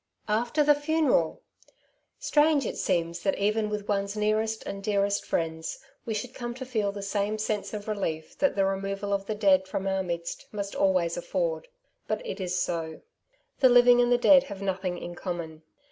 " AiTEE the funeral !^^ Strange it seems that even with one's nearest and dearest friends we should come to feel the same sense of relief that the removal of the dead from oar midst must always aflford. But it is so. The living and the dead have nothing in common.